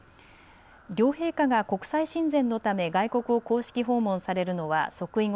両陛下が国際親善のため外国を公式訪問されるのは即位後